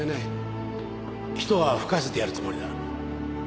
一泡吹かせてやるつもりだ。